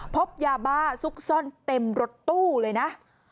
พบยาบ้าซุกซ่อนเต็มรถตู้เลยนะ